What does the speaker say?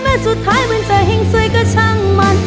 สุดท้ายมันจะแห่งสวยก็ช่างมัน